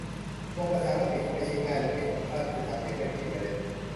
ลงประชามติก็ไม่ใช่ง่ายและไม่คุ้มค่าที่จะทำเพียงไม่กี่ประเด็น